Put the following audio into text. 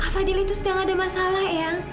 fadil itu sedang ada masalah ya